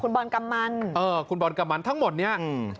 คุณบอลกำมันเออคุณบอลกำมันทั้งหมดเนี้ยอืม